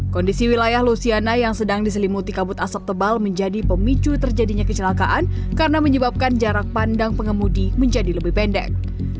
kondisi wilayah lusiana yang sedang diselimuti kabut asap tebal menjadi pemicu terjadinya kecelakaan karena menyebabkan jarak pandang pengemudi menjadi lebih pendek